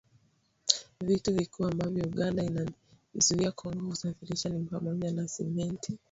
Vitu vikuu ambavyo Uganda inaiuzia Kongo kusafirisha ni pamoja na Simenti, mafuta ya mawese na mchele